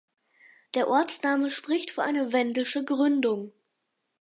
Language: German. Der Ortsname spricht für eine wendische Gründung.